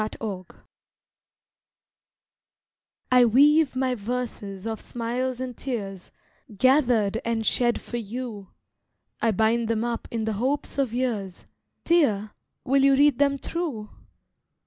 THE POET I weave my verses of smiles and tears, Gathered and shed for you, I bind them up in the hopes of years, Dear, will you read them through?